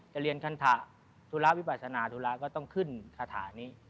จะเรียนคันถาธุระวิปัสนาธุระก็ต้องขึ้นคาถานี้